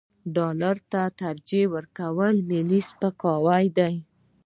ډالر ته ترجیح ورکول ملي سپکاوی دی.